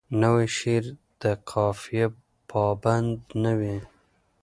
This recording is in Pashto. نوی شعر د قافیه پابند نه وي.